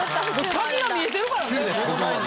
先が見えてるからね。